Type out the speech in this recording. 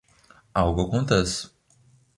Algo acontece